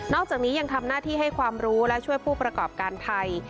จากนี้ยังทำหน้าที่ให้ความรู้และช่วยผู้ประกอบการไทย